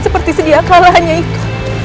seperti sedia kalahnya itu